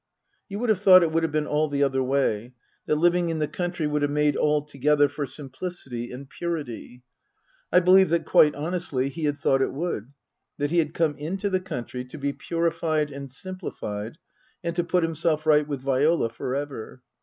You would have thought it would have been all the other way, that living in the country would have made altogether for simplicity and purity. I believe that quite honestly he had thought it would, that he had come into the country to be purified and simplified, and to put himself right with Viola for ever.